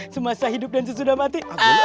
semasa hidup dan sesudah mati